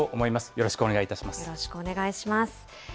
よろしくお願いします。